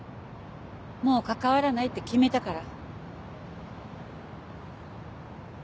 もう関わらないって決めたから。